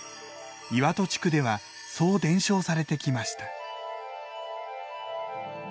岩戸地区ではそう伝承されてきました。